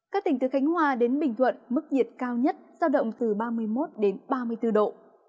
các tỉnh từ khánh hòa đến bình thuận mức nhiệt cao nhất giao động từ ba mươi một ba mươi bốn độ